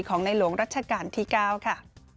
ของนายหลวงรัชกาลที่๙ค่ะ